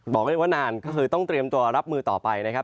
บอกเลยว่านานก็คือต้องเตรียมตัวรับมือต่อไปนะครับ